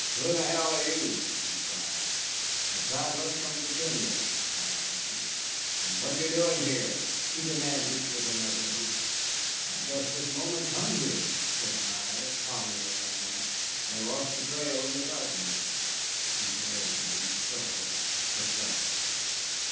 "Who in hell are you?" he cried. "A traveller from Virginia," I answered. "And what are you doing here?" he demanded, with another oath. "I have just this moment come here," said I, as calmly as I might. "I lost the trail in the darkness." He glared at me, purpling, perplexed.